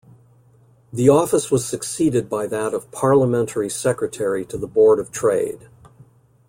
The office was succeeded by that of Parliamentary Secretary to the Board of Trade.